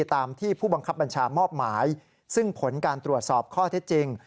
ตามที่ผู้บังคับบัญชามอบหมายซึ่งผลการตรวจสอบข้อเท็จจริง